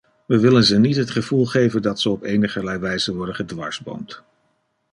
We willen ze niet het gevoel geven dat ze op enigerlei wijze worden gedwarsboomd.